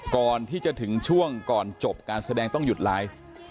ก่อนที่จะถึงช่วงก่อนจบการแสดงต้องหยุดไลฟ์